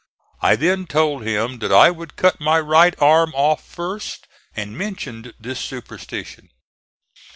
I then told him that I would cut my right arm off first, and mentioned this superstition.